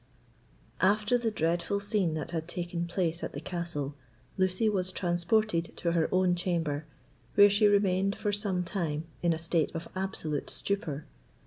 After the dreadful scene that had taken place at the castle, Lucy was transported to her own chamber, where she remained for some time in a state of absolute stupor.